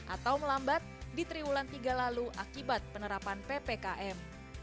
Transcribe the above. atau melambat di triwulan tiga lalu akibat penerapan ppkm